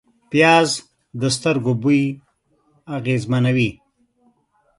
پیاز د سترګو بوی اغېزمنوي